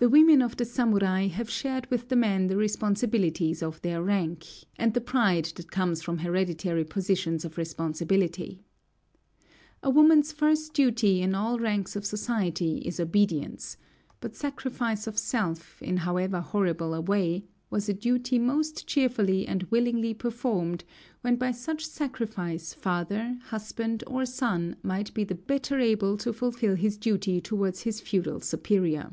The women of the samurai have shared with the men the responsibilities of their rank, and the pride that comes from hereditary positions of responsibility. A woman's first duty in all ranks of society is obedience; but sacrifice of self, in however horrible a way, was a duty most cheerfully and willingly performed, when by such sacrifice father, husband, or son might be the better able to fulfill his duty towards his feudal superior.